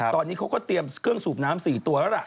ตอนนี้เขาก็เตรียมเครื่องสูบน้ำ๔ตัวแล้วล่ะ